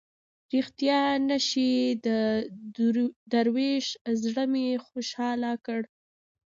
ریښتیا نه شي د دروېش زړه مې خوشاله کړ.